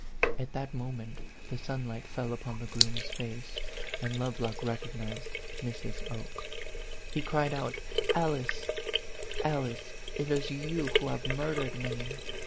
At that mo ment the sunlight fell upon the groom's face, and Lovelock recognized Mrs. Oke. He cried out, 'Alice, Alice, it is you who have mur dered me